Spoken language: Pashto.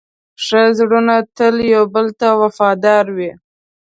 ښه زړونه تل یو بل ته وفادار وي.